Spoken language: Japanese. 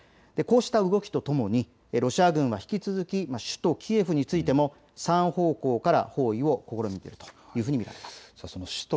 こうした動きとともにロシア軍は引き続き首都キエフについても３方向から包囲を試みているというふうに見られます。